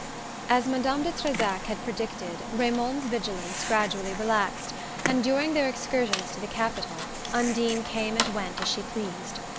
As Madame de Trezac had predicted, Raymond's vigilance gradually relaxed, and during their excursions to the capital Undine came and went as she pleased.